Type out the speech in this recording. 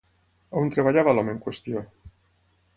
On treballava l'home en qüestió?